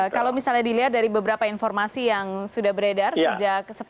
ya ya ya kalau misalnya dilihat dari beberapa informasi yang sudah beredar sepanjang hari ini gitu mas arief